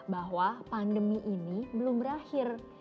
bahwa pandemi ini belum berakhir